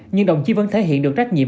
nhưng đồng chí vẫn thể hiện được trách nhiệm